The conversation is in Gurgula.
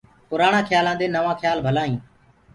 پُرآڻآ کيآلآندي نوآ کيآل ڀلآ هينٚ۔